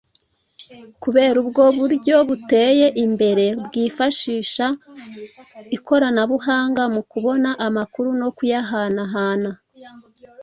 Kubera ubwo buryo buteye imbere bwifashisha ikoranabuhanga mu kubona amakuru no kuyahanahana